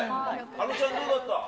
あのちゃん、どうだった？